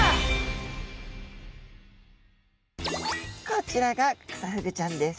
こちらがクサフグちゃんです。